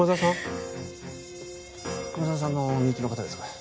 熊沢さんの身内の方ですか？